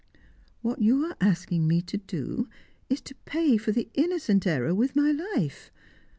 What you are asking me to do, is to pay for the innocent error with my life.